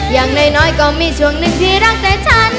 อย่างน้อยก็มีช่วงหนึ่งที่รักแต่ฉัน